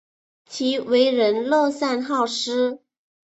其为人乐善好施。